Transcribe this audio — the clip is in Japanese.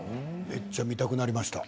めっちゃ見たくなりました